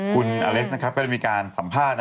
คุณอาเล็กซ์นะครับไปรับมีการสัมภาษณ์นะ